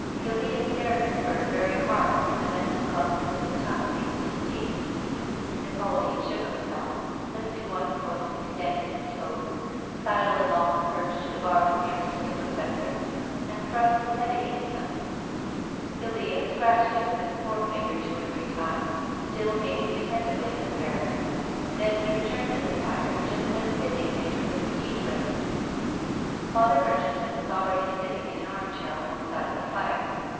Guildea stared at the bird very hard, and then clucked with his tongue against his teeth. Napoleon shook himself, lifted one foot, extended his toes, sidled along the perch to the bars nearest to the Professor and thrust his head PROFESSOR GUILDEA, 301 against them. Guildea scratched it with his fore finger two or three times, still gazing attentively at the parrot ; then he returned to the fire just as Pitting entered with the tea tray. Father Murchison was already sitting in an arm chair on one side of the fire.